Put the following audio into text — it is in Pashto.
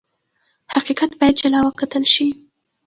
حقیقت باید جلا وکتل شي.